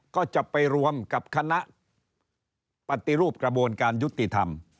ก็จะไปรวมกับคณะปฏิรูปกระบวนการยุติธรรม